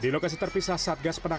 di lokasi terpisah saat gas penanganan